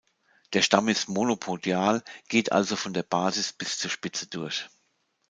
Der Stamm ist monopodial, geht also von der Basis bis zur Spitze durch.